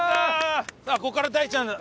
さあここから大ちゃんだ。